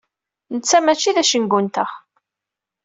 Netta mačči d acengu-nteɣ.